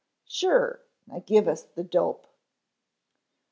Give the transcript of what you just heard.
"Sure. Now, give us the dope."